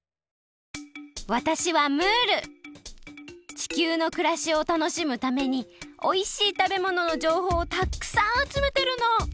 地球のくらしをたのしむためにおいしいたべもののじょうほうをたっくさんあつめてるの！